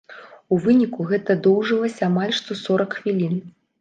У выніку гэта доўжылася амаль што сорак хвілін.